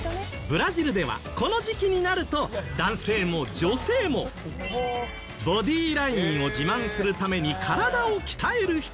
ブラジルではこの時期になると男性も女性もボディーラインを自慢するために体を鍛える人が増えるのだそう。